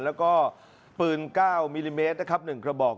แล้วก็ปืน๙มิลลิเมตรนะครับ๑กระบอก